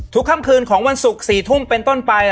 ค่ำคืนของวันศุกร์๔ทุ่มเป็นต้นไป